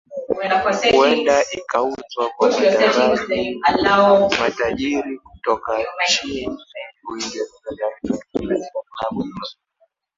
huenda ikauzwa kwa matajiri toka nchini uingereza taarifa toka katika klabu hiyo